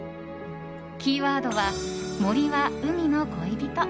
キーワードは、森は海の恋人。